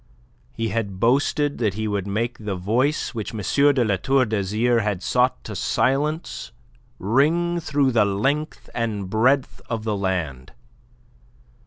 He had boasted that he would make the voice which M. de La Tour d'Azyr had sought to silence ring through the length and breadth of the land.